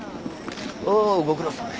おうご苦労さん。